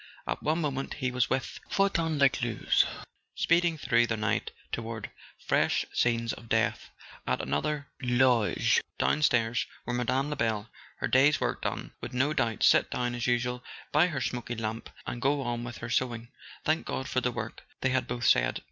At one moment he was with Fortin Lescluze, speeding through the night toward fresh scenes of death; at another, in the loge down¬ stairs, where Mme. Lebel, her day's work done, would no doubt sit down as usual by her smoky lamp and go on with her sewing. "Thank God for the work " they had both said.